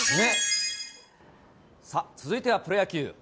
さあ、続いてはプロ野球。